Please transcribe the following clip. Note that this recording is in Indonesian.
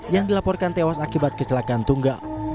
yang dilaporkan tewas akibat kecelakaan tunggal